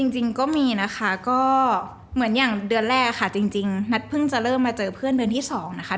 จริงก็มีนะคะก็เหมือนอย่างเดือนแรกค่ะจริงนัทเพิ่งจะเริ่มมาเจอเพื่อนเดือนที่๒นะคะ